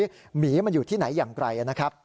หมีอยู่ที่ไหนอย่างไกล